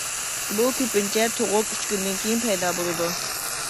بۇ كۆپىنچە تۇغۇپ ئۈچ كۈندىن كېيىن پەيدا بولىدۇ.